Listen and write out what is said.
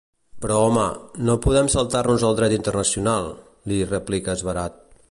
Però home, no podem saltar-nos el dret internacional —li replica esverat.